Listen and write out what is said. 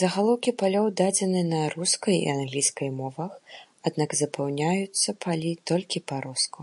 Загалоўкі палёў дадзены на рускай і англійскай мовах, аднак запаўняюцца палі толькі па-руску.